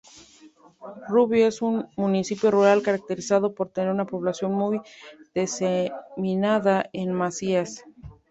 Rubió es un municipio rural caracterizado por tener una población muy diseminada en masías.